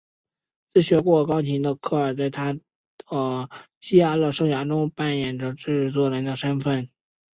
自学过钢琴的科尔在他的嘻哈乐生涯中扮演着制作人的身份。